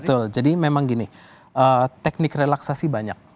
betul jadi memang gini teknik relaksasi banyak